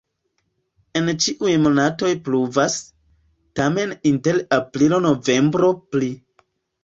En ĉiuj monatoj pluvas, tamen inter aprilo-novembro pli.